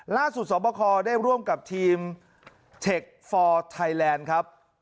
สอบประคอได้ร่วมกับทีมเทคฟอร์ไทยแลนด์ครับ